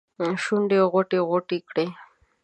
شونډې غوټې ، غوټې کړي